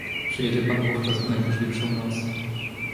"Przyjedzie pan wówczas w najburzliwszą noc?"